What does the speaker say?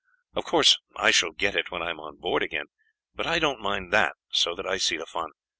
Of course I shall get it when I am on board again, but I don't mind that so that I see the fun.